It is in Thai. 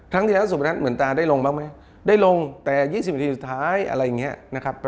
ครั้งที่แล้วสุดวันนั้นเหมือนตาได้ลงบ้างไหมได้ลงแต่๒๐นาทีสุดท้ายอะไรอย่างนี้นะครับ